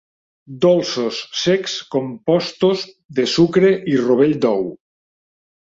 Dolços secs compostos de sucre i rovell d'ou.